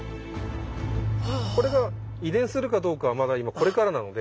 これが遺伝するかどうかはまだ今これからなので。